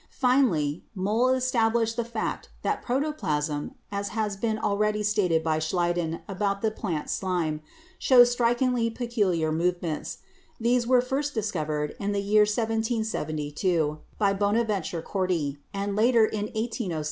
Finally, Mohl established the fact that protoplasm, as has been already stated by Schleiden about the plant slime, shows strikingly peculiar movements; these were first discovered in the year 1772 by Bonaventura Corti, and later in 1807 by C.